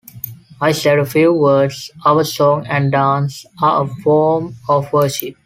I said a few words: 'Our song and dance are a form of worship.